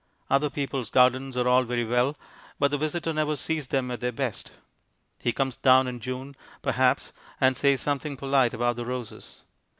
Other people's gardens are all very well, but the visitor never sees them at their best. He comes down in June, perhaps, and says something polite about the roses.